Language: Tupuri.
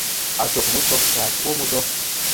A cog mo cog, caa ti bo mo dɔɔ.